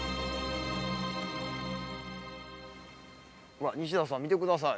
うわっ西田さん見てください。